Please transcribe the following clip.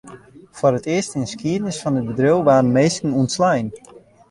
Foar it earst yn 'e skiednis fan it bedriuw waarden minsken ûntslein.